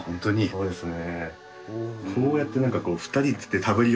そうですね。